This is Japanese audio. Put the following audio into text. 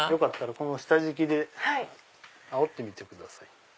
この下敷きであおってみてください。